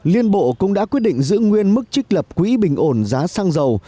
liên bộ cũng đã quyết định giữ nguyên mức trích lập quỹ bình ổn giá xăng dầu